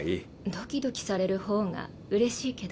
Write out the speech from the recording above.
ドキドキされる方がうれしいけど。